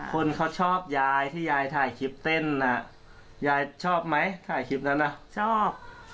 คนเขาชอบยายที่ยายถ่ายคลิปเต้นอ่ะยายชอบไหมถ่ายคลิปนั้นน่ะชอบ